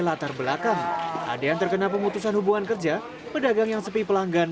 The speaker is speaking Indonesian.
latar belakang ada yang terkena pemutusan hubungan kerja pedagang yang sepi pelanggan